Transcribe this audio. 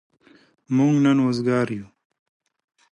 موږ نن وزگار يو.